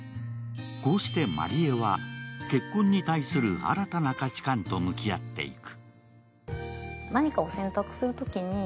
こうしてまりえは結婚に対する新たな価値観と向き合っていく。